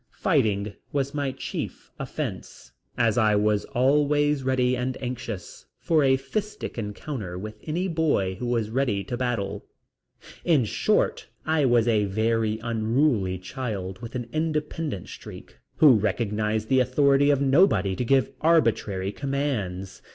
Fighting was my chief offence as I was always ready and anxious for a fistic encounter with any boy who was willing to battle. In short, I was a very unruly child with an independent spirit, who recognized the authority of nobody to give arbitrary commands.